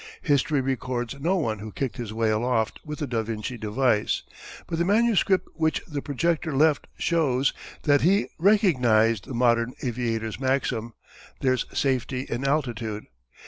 History records no one who kicked his way aloft with the Da Vinci device. But the manuscript which the projector left shows that he recognized the modern aviator's maxim, "There's safety in altitude."